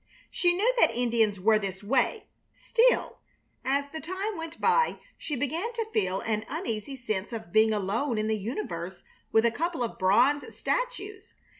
She knew that Indians were this way; still, as the time went by she began to feel an uneasy sense of being alone in the universe with a couple of bronze statues.